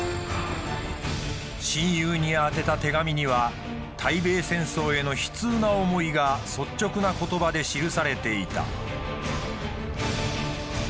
親友に宛てた手紙には対米戦争への悲痛な思いが率直な言葉で記されていた。